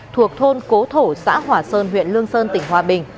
thuộc thôn cố thổ xã hòa sơn huyện lương sơn tỉnh hòa bình